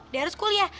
dia harus kuliah